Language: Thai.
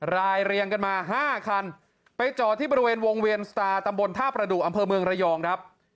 เรียงกันมา๕คันไปจอดที่บริเวณวงเวียนสตาร์ตำบลท่าประดูกอำเภอเมืองระยองครับ